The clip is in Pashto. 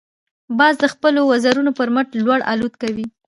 باز د خپلو وزرونو پر مټ لوړ الوت کوي